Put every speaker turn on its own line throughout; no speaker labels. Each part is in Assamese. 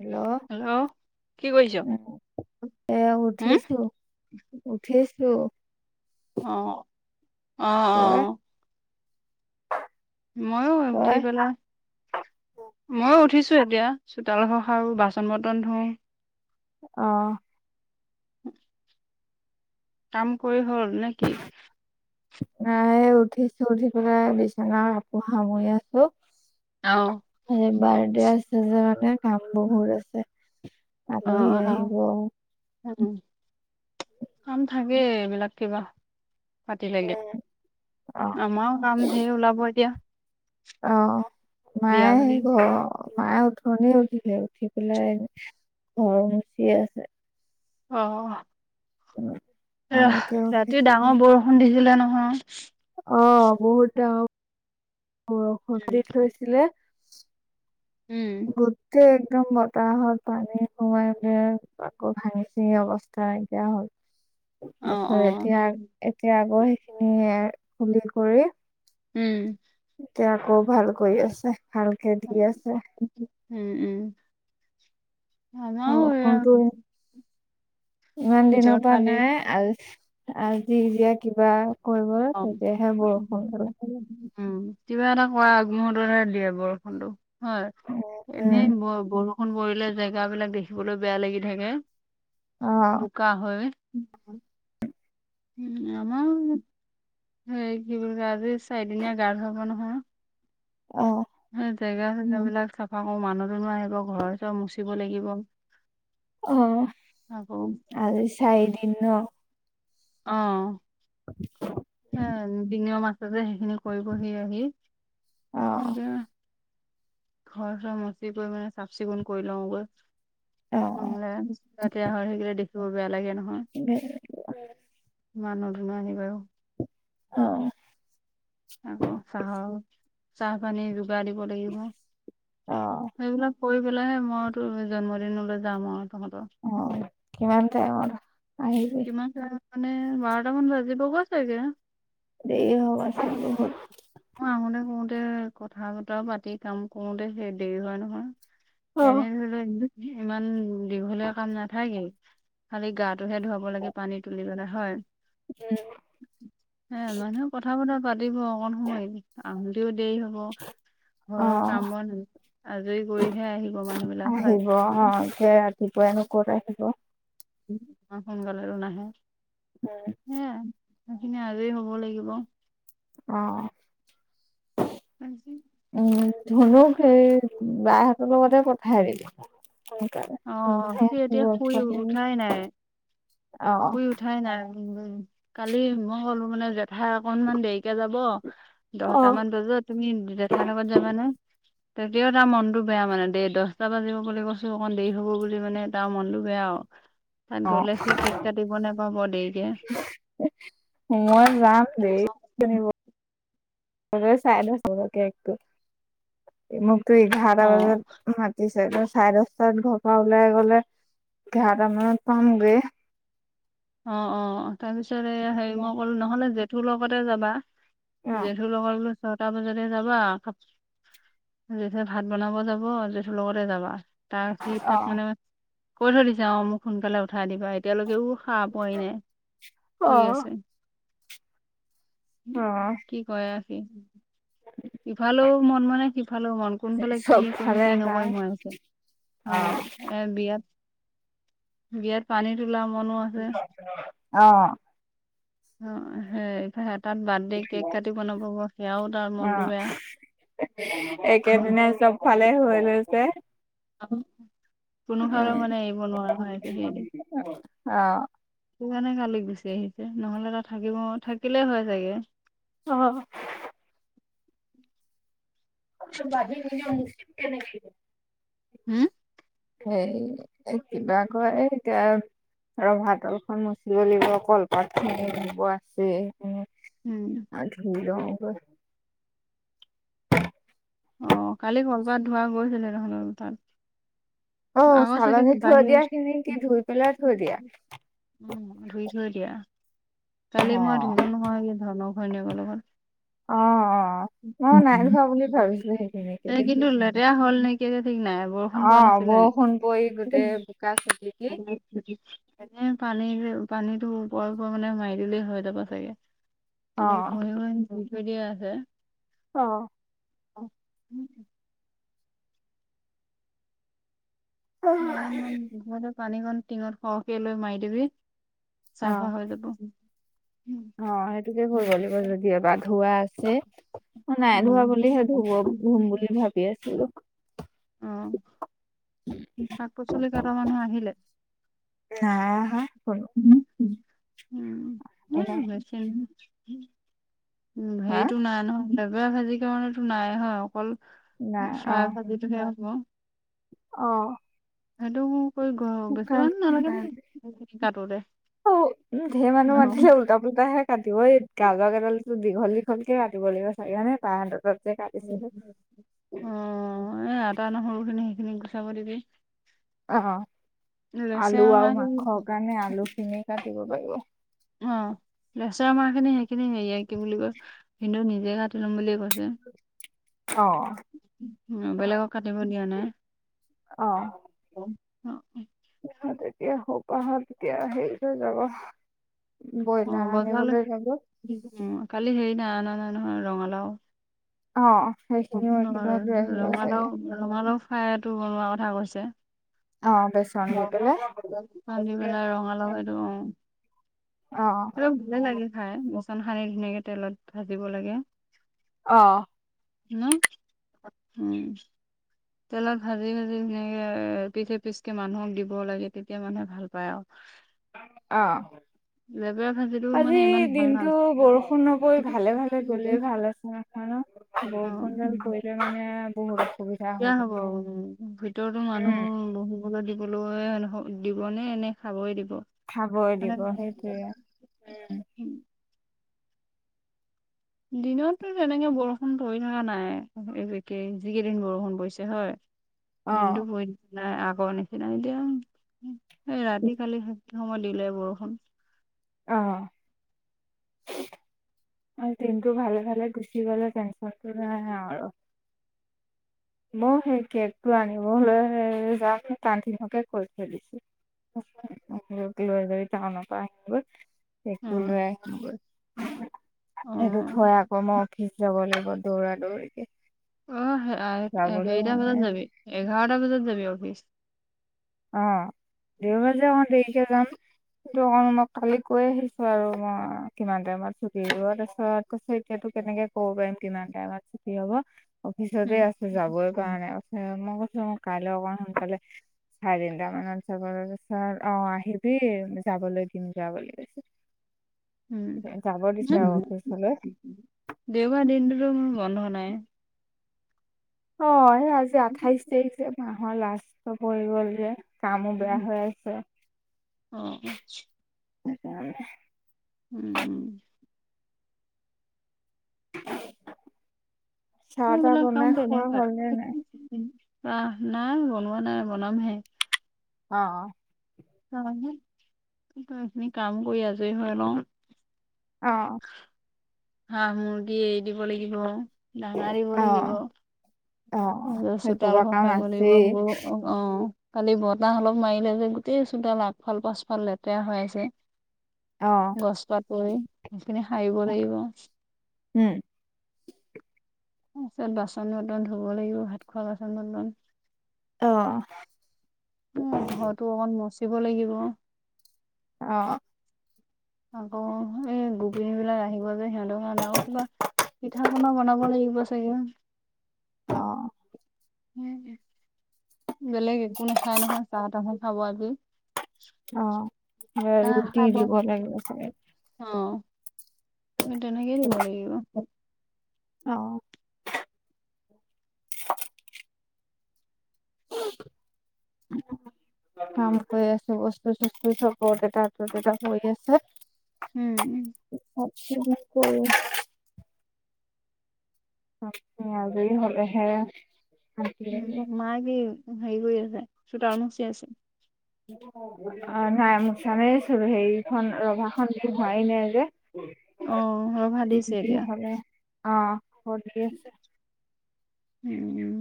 হেল্ল'
হেল্ল', কি কৰিছ?
এইয়া
হম
উঠিছো, উঠিছো।
অ', অ',
তই
অ'। ময়ো উঠি
তই
পেলাই, ময়ো উঠিছ [unintelligible] এতিয়া চোতাল ঘৰ সাৰো, বাচন বৰ্তন ধুঁ।
অ'।
উ [unintelligible] কাম কৰি হ'ল নেকি?
নাই উঠিছো উঠি পেলাই বিছনা কাপোৰ সামৰি আছো।
অঁ।
আজি আছে যে মানে কাম বহুত আছে
অ
আলহী
অ
আহিব [inaudible]
উম, কাম থাকে এইবিলাক কিবা। পাতিলেগে, আমাৰো কাম ধেই ওলাব এতিয়া।
অ
বিয়া
মায়
বুলি
স ঘ [inaudible] মায়ে উঠনিয়ে উঠিলে উঠি পেলাই ঘৰ মুচি আছে।
আহ।
অ [unintelligible] এতিয়া
ৰাতি
উঠিছিলে
ডাঙৰ বৰষুণ দিছিলে নহয়।
অ' বহুত ডাঙৰ।
উম
বৰষুিত হৈছিলে [inaudible] গু
উম
[inaudible] একদম বতাহাহত পানী সোমাইে আকৌ ভাঙিচি অৱস্থা নাইকিয়া [inaudible] হ'ল
অ
তাৰছত
অ
এতিয়া- এতিয়া আকৌ সেইখিনি খুলি কৰি
উম।
এতিয়া আকৌ ভাল কৰি আছে ভালকে দি আছে।
উম উম
অ'
আমাৰো এয়া
বৰষুণতো ইমান দিনৰ
ভিতৰত
পৰা
কালি
নাই আৰু আজি যেতিয়া কিবা কৰিব
অ
তেতিয়াহে বৰষুণ খালে। [inaudible]
উম, কিবা এটা কৰা আগহঁতহে দিয়ে বৰষুণটো হয়
উম
এনেই ব [inaudible] সোণ পৰিলে জেগাবলাক দেখিবলৈ বেয়া লাগি থাকে
অ'
বোকা হয়। উম। উম আম। সেই কি বুলি ক আজি চাৰিদিনীয়া গা ধুৱোব নহয়।
অ'।
সেই জেগা চেগাবলাক চাফা কৰো মানুহজনো আহিব ঘৰ চৰ মুচিব লাগিব।
অ',
আকৌ
আৰু চাই দিন ন।
অ', উ দিঙ ম [unintelligible] তাতে সেইখিনি কৰিবহি আহি
অ'
সনেকে ঘৰ চৰ মচি কৰি মানে চাফ চিকুণ কৰি লওঁ গৈ
অ'
নহ'লে লেতেয়া হৈ থাকিলে দেখিব বেয়া লাগে ন।
ব [unintelligible]
মানহো দুনোহ আহি আৰু।
অ'।
আকৌ চাহৰ চাহ চাহ পানী বা়িব লাগিব
অ'
সেবিলাক [unintelligible] কৰি পেলাইহে মইতো জন্মদিনলৈ যাম আৰু। তহঁতৰ
অ', কিমান টাইম?
কিমান টাইম মানে বাৰটা মান বাজিব গৈ চাগে।
দেৰি হ'ব আ চ [unintelligible]
শুওতে সশুওতে কথা বতৰা পাতি কাম কৰোতে সেই দেৰি হয় নহয়। এনে ধৰি লওক ইমান দীঘলীয়া কাম নাথাকে খালি গাত তইহে ধুৱাব লাগে, পানী তুলি পেলাই হয়, মানুহে কথা বতৰা পাতিব অকণ সময় আহোতেও দেৰি হ'ব। ঘৰৰ
অ',
কামবন আজৰি কৰিহে আহিব মানুহ বিলাক হয়।
দুপৰীয়ানো কত আহিব।
অ সোনকালে আৰু নাহে।
উ।
সেয়াই সেইখিনি আজৰি হব লাগিব।
আহ।
আজি
ধনুক সেই বাইহতৰ লগতে পঠাই দিলো।
অ সি এতিয়া শুই উঠাই নাই,
অ'।
শুই উঠাই নাই। কালি মই ক'লো মানে জেঠাই অকনমান দেৰি [unintelligible] যাব
অ'।
দহটামান বজাত তুমি জেঠাৰ লগত যাবানা। তেতিয়াও তাৰ মনটো বেয়া মানে দেই দছটা বাজিব বুলি কৈছো। অকমান দেৰি হ'ব বুলি মানে তাৰ মনটো বেয়া আৰু। তাত
অ',
গ'লে সি কেক কাটিব নোপাব দেৰিকে।
মই যাম দে [unintelligible] চাই লও [unintelligible] মোক তো এঘাৰটা
অ
বজাত মাতিছে। [unintelligible] চাৰে দশটাত ঘৰ পৰা ওলাই গলে এঘাৰটা মানত পামগে
অ অ অ। তাৰপিছত এইয়া হেৰি মই কলো নহ'লে জেঠুৰ লগতে যাবা
অ',
জেঠুৰ লগত বোলে ছটা বজাতে যাবা জেঠুৱে ভাত বনাব যাব জেঠুৰ লগতে যাবা। তাৰ সি তাক
অ'।
মানে কৈ থৈ দিছে অ মোক সোনকালে উঠাই দিবা এতিয়ালৈকেও হাঁহ পোৱাই নাই শুই
অ'।
আছে।
অ
উম সিফালও মন মনে সিফালও মন, কোনফালে কি
চব
কৰিম
ফালে
কি
তাৰ
নকৰিম হৈ আছে। অ এ বিয়াত বিয়েৰ পানীৰ তুলা মনো আছে।
অ',
অ সেই সেতাত বাৰ্থডে কেক কাটিব নাপাব সেয়াও তাৰ মন
একেদিনাই চবফালে হৈ লৈছে।
আক কোনোফালে
উম,
মানে এৰিব নোৱাৰা হয় আছে সেতি
অ'।
সেইতো কাৰণে কালি গুচি আহিছে। নহলে তাত থাকিব থাকিলে হয় চাগে
অ বাজি নি কেনেকে।
হম।
সেই কিবা কৰে কা ৰভাতল খন মুচিব লাগিব, কলপাতখিনি ধুব আছেই
উম।
ধুগৈ
ধুৱা ধোৱা গৈছে যেনেধৰণৰ কথাত
অ',
আকৌ চাগে
চালনী থৈ
বাহিৰৰ
দিয়া খিনি কি ধুই পেলাই থৈ দিয়া?
উম ধুই থৈ দিয়া কালি মই
অ'।
ধুলো নহয় এই ধনৰ ঘৈণীয়েকৰ লগত
অ মই নাই ধোৱা বুলি ভাবিছিলোঁ সেইখিনিকে
এই
দেখি
কিন্তু লেতেৰা হ'ল নেকি এতিয়া ঠিক নাই বৰষুণ পৰা
অ',
নাছিলে নেকি?
বৰষুণ পৰি গোটেই বোকা চিটিকি
এনে পানী পানীটো উপৰে উপৰে মানে মাৰি দিলেই হৈ যাব চাগে এনে
অ',
ঘহি ঘহি থৈ দিয়া আছে
অ
[inaudible] [inaudible] পানীকণ তিঙত সৰহকে লৈ মাৰি দিবি
অ'।
চাফা হৈ যাব
অ সেইটোকে কৰিব লাগিব যদি এবাৰ ধুৱা আছে নাই ধোৱা
উম
বুলিহে ধুব ধুম বুলি ভাবি আছিলো
অ শাক পাচলি কটা মানুহ আহিলে
নাই আহা কোনো
উম নহয় নহয় নহয় উম
হা
সেইটো নাই নহয় [unintelligible] ৱে ভাজি কাৰণেটো নাই অহা অকল
নাই অ
চাহ ভাজিটোহে হব
অ'।
এটুকু কৰি বেছি
শুকান
মানুহ নালাগে
আজি
ন [inaudible] কাটোতে।
অ উ ঢেৰ
ন
মানুহ মাতিলে উল্টা পুল্টাহে কাট [unintelligible] গাজৰ কেইডালটো দীঘল দীঘলকে কাতিব লাগিব চাগে হয়নে [unintelligible]
অ এ আদা নহৰুখিনি সেইখিনি গুচাব দিবি
অ আলু আৰু
লেচেৰা
মাংসৰ কাৰণে আলুখিনি কাটিব পাৰিব
অ লেচেৰা মাহ খিনি সেইখিনি হেৰিয়াই কি বুলি কয় কিন্তু নিজে কাটি লম বুলিয়ে কৈ
অ
বেলেগক কাটিব দিয়া নাই
অ
অ
ত এতিয়া সোপাহত তেতিয়া হেৰিলৈ যাব ব্ৰইলাৰ
অ
আনিবলৈ যাব
বজাৰলৈ কালি হেৰি নাই আনা নাই নহয় ৰঙালাও
অ সেইখিনিও
[unintelligible]
একেবাৰে লৈ আহিব চাগে
ৰঙালাও-ৰঙালাও ফ্ৰাইটো বনোৱা কথা কৈছে।
অ বেচন দি পেলাই
[unintelligible] ভাঙি পেলাই ৰঙালাও এইটো অ'
অ
[unintelligible] ভালে লাগে খাই বেচন সানি ধুনীয়াকে তেলত ভাজিব লাগে।
অ',
ন, উম। তেলত ভাজি ভাজি ধুনীয়াকে এপিচ এপিচকে মানুহক দিব লাগে তেতিয়া মানুহে ভাল পায় আৰু।
অ'।
লেবেৰা ভাজিটো মানে
আজি
ইমান ভাল নাল
দিনতটো বৰষুণ নপৰি ভালে ভালে গ'লেই ভাল আছে আৰু।
অ
বৰষুণগাল পৰিলে মানে আৰু বহুত অসুবি
হ'ব ভিতৰতো
উম
মানুহ বহিব দিবলৈ নহ দিব নে এনে খাবই দিব!
খাবই দিব সেইটোৱে উম
[inaudible] দিনততো তেনেকে বৰষুণ পৰি থকা নাই যিকেই যিকেইদিন বৰষুণ পৰিছে হয়।
অ
দিনটো পৰি [unintelligible] নাই আগৰ নিচিনা এতিয়া ৰাতি কালি সময়ত দিলে বৰষুণ।
অ'। আজি দিনটো ভালে ভালে গুচি গ'লে টেনচনটো নাহে আৰু। মই সেই কেকটো আনিবলৈহে হে যাম [unintelligible] কৈ থৈ দিছিলো। মোক লৈ যাবি টাউনৰ পৰা আহিম গৈ।
অ
কেকটো লৈ আহিম গৈ।
অ
সেইটো থৈ আকৌ মই অফিচ যাবলৈ লাগিব। দৌৰা দৌৰিকে।
অ',
যাবলৈ
সেইটা
হোৱা
বজাত
নাই
যাবি এঘাৰটা বজাত যাবি অফিচ।
অ', দেওবাৰ যে অকন দেৰিকে যাম। সেইটো কাৰণ মই কালি কৈ আহিছো আৰু মই কিমান টাইমত ছুটি দিব। তাৰ পিছত কৈছো এতিয়াতো কেনেকে ক'ব পাৰিম কিমান টাইমত ছুটি হ'ব। অফিচতে আছো যাবয়ে পাৰা
উম
নাই তাৰপিছত মই কৈছো অ' কাইলৈ অকমান সোনকালে চাৰে তিনটামানত যাব তাৰপিছত অ' আহিবি যাবলৈ দিম যা বুলি কৈছে।
উম
যাব দিছে আৰু
[unintelligible]
অফিচলৈ
দেওবাৰ দিনটোতো মোৰ বন্ধ নাই।
অ', আজি আঠাইশ তাৰিখ যে মাহৰ লাষ্ট পৰি গ'ল যে। কামো বেয়া হৈ আহিছে
অ
সেইকাৰণে।
উম।
চাহ
অ'
তাহ
মানে
বনাই
কামটো
খোৱা
এনেকুৱা
হ'ল নে নাই?
[unintelligible] আহ নাই বনোৱা নাই বনামহে।
অ'।
এই খিনি কাম কৰি আজৰি হৈ লওঁ।
অ'।
হাঁহ মুৰ্গী এৰি দিব লাগিব ডাঙা দিব লাগিব।
অ', অ', সেইসোপা
চোতালখন
কাম
খাৰিব লাগিব
আছেই
মোৰো অ'। কালি বতাহ অলপ মাৰিলে যে গোটেই চোতাল আগফাল পাচফাল লেতেৰা হৈ আছে।
অ',
গছ পাত পৰি সেইখিনি সাৰিব লাগিব।
[inaudible]
তাৰ পিছত বাচন বৰ্তন ধুব লাগিব ভাত খোৱা বাচন বৰ্তন।
আহ।
উম ঘৰতো অকণ মুচিব লাগিব।
অ'।
আকৌ এই গোপিনী বিলাক আহিব যে সিহঁতৰ কাৰণে আ কিবা পিঠা পনা বনাব লাগিব। [unintelligible]
অ'।
বেলেগ একো নাখায় নহয় চাহ তামুল খাব আহি।
অ' ৰুটি
খাব
দিব লাগিব চাগে।
অ'। তেনেকে দিব লাগিব।
আহ'। [unintelligible] কাম কৰি আছে বস্তু চুস্থু চব অট এটা টত এটা পৰি আছে।
উম।
[unintelligible] আজে হ'লেহে শান্তি
উম
লাগিব
মায়ে কি হেৰি কৰি আছে চোতাল মোচি আছে?
অ' নাই মোচা নাই চোন সেইখন ৰভাখন হোৱাই নাই যে
অ' ৰভা দিছে
দি
এতিয়া।
হ'লে অ' [unintelligible]
উম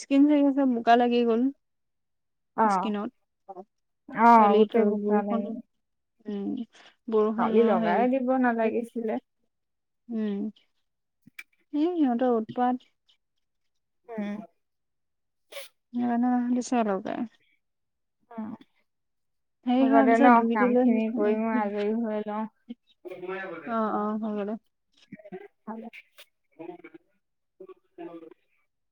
স্কিন চাই আহ বোকা লাগি গ'ল।
অ'।
স্কিনত
অ
খালি ত
গোটেই বোকা
বৰষুণ
লাগি
উম। বৰষুণ
হাউলি
হয়ে।
লগাই দিব নালাগিছিলে
উম এ সিহঁতৰ উৎপাত।
উম।
নানে ন বিচাৰকে
উম, হ'ব
হোৱাৰ
দে ন
পিছত ধুই
কাম
দিলে
খিনি কৰি মই আজৰি হৈ লওঁ।
অ' অ' হ'ব দেহ।
[unintelligible]